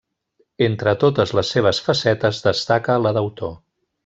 Entre totes les seves facetes, destaca la d'autor.